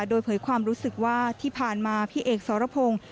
โดยเผยความรู้สึกว่าที่ผ่านมาพี่เอกสรพงศ์